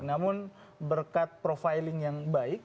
namun berkat profiling yang baik